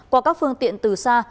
qua các phương tiện từ xa